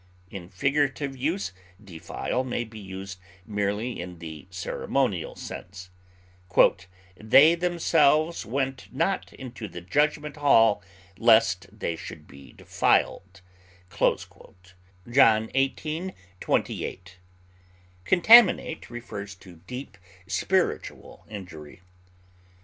In figurative use, defile may be used merely in the ceremonial sense; "they themselves went not into the judgment hall, lest they should be defiled," John xviii, 28; contaminate refers to deep spiritual injury.